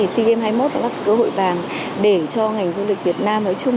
sea games hai mươi một đã gặp cơ hội vàng để cho ngành du lịch việt nam nói chung